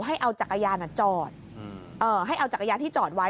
ให้เอาจักรยานจอดให้เอาจักรยานที่จอดไว้